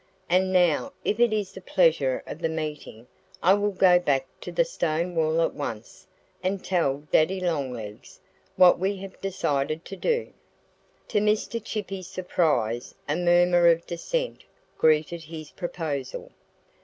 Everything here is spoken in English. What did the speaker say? "And now if it is the pleasure of the meeting I will go back to the stone wall at once and tell Daddy Longlegs what we have decided to do." To Mr. Chippy's surprise a murmur of dissent greeted his proposal.